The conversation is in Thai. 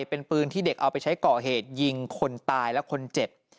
เป็นปืนที่เด็กเอาไปใช้ก่อเหตุยิงคนตายและคนเจ็บ